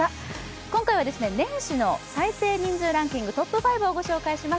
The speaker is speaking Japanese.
今回は年始の再生人数ランキングトップ５をご紹介します。